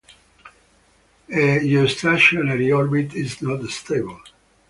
A geostationary orbit is not stable.